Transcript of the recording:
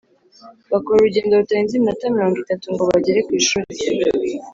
Bakora urugendo rutarenze iminota mirongo itatu ngo bagere ku ishuri